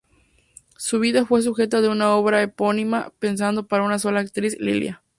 Su vida fue sujeto de una obra epónima pensada para una sola actriz, "Lilia!